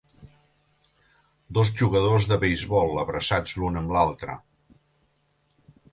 Dos jugadors de beisbol abraçats l'un amb l'altre.